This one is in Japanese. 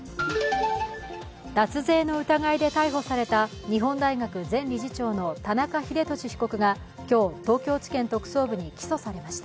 脱税の疑いで逮捕された日本大学前理事長の田中英寿被告が今日、東京地検特捜部に起訴されました。